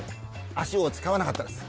足を使わなかったです